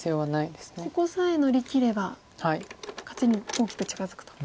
ここさえ乗りきれば勝ちに大きく近づくと。